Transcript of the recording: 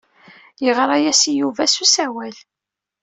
Yeɣra-as i Yuba s usawal.